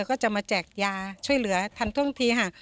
ก็จะมาแจกยาช่วยเหลือทันท่วงทีค่ะ